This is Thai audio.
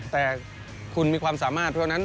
แต่คุณมีความสามารถ